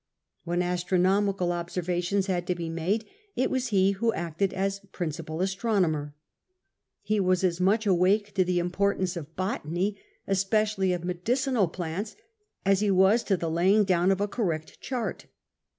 When astronomical observations had to be made it was he who acted as principal astronomer. He was as much awake to the importance of botany, especially of medicinal plants, as he was to the laying down of a correct chart.